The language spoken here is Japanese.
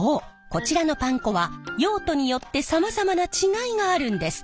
こちらのパン粉は用途によってさまざまな違いがあるんです。